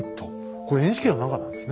これＮＨＫの中なんですね。